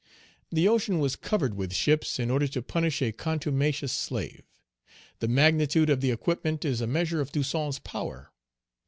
The ocean was covered with ships in order to punish a contumacious slave! The magnitude of the equipment is a measure of Toussaint's power.